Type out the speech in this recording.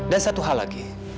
dan satu hal lagi